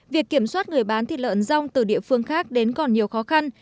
việc kiểm soát người bán thịt lợn rong từ địa phương khác đến còn nhiều khó khăn